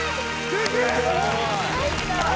すげえ！